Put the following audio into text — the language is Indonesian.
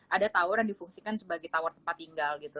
ada tower yang difungsikan sebagai tower tempat tinggal gitu